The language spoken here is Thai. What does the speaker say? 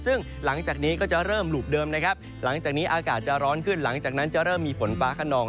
ซึ่งหลังจากนี้ก็จะเริ่มหลุบเดิมนะครับหลังจากนี้อากาศจะร้อนขึ้นหลังจากนั้นจะเริ่มมีฝนฟ้าขนอง